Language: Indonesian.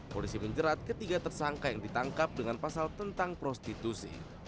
polisi menjerat ketiga tersangka yang ditangkap dengan pasal tentang prostitusi